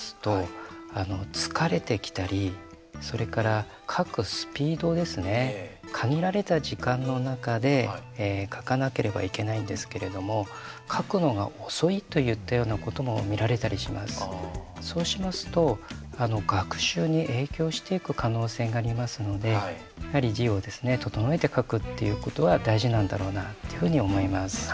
それから書くスピードですね限られた時間の中で書かなければいけないんですけれどもそうしますと学習に影響していく可能性がありますのでやはり字を整えて書くっていうことは大事なんだろうなというふうに思います。